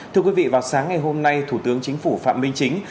thưa quý vị vào sáng ngày hôm nay thủ tướng chính phủ phạm minh chính